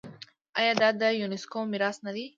آیا دا د یونیسکو میراث نه دی؟